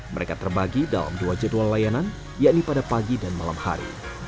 mereka terbagi dalam dua jadwal layanan yakni pada pagi dan malam hari